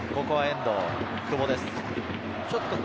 遠藤、久保です。